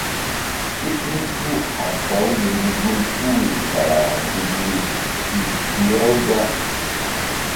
Ke ɓil puh a baw mini gun puhri kara nzukri tu sa̧-u da.